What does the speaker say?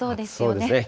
そうですね。